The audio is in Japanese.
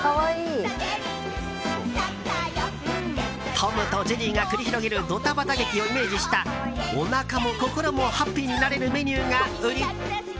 トムとジェリーが繰り広げるドタバタ劇をイメージしたおなかも心もハッピーになれるメニューが売り。